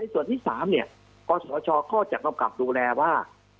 ส่วนที่สามก็เช่าการรับแรงว่า